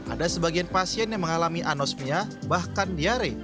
ada sebagian pasien yang mengalami anosmia bahkan diare